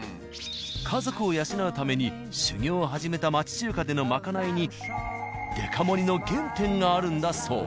家族を養うために修業を始めた町中華でのまかないにデカ盛りの原点があるんだそう。